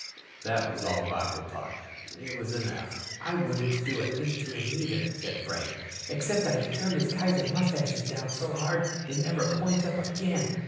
"Huh." That was all Bob replied. It was enough. "I wouldn't do a thing to him, either," said Frank. "Except I'd turn his Kaiser mustaches down so hard they'd never point up again."